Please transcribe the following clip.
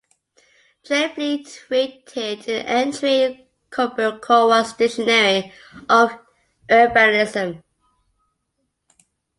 Drayneflete rated an entry in Robert Cowan's Dictionary of Urbanism.